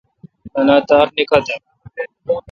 نننالاں تار نیکتہ۔؟